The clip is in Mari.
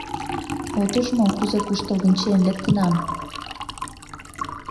— От уж мо, кузе куштылгын чиен лектынам?